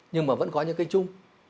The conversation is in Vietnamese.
nhưng mà vẫn có những cái chung